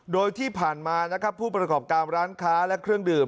โดยที่ผ่านมานะครับผู้ประกอบการร้านค้าและเครื่องดื่ม